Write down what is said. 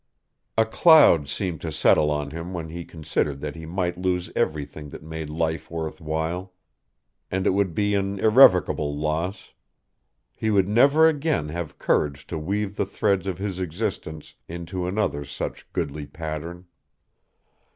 A cloud seemed to settle on him when he considered that he might lose everything that made life worth while. And it would be an irrevocable loss. He would never again have courage to weave the threads of his existence into another such goodly pattern.